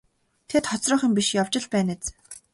Тэд хоцрох юм биш явж л байна биз.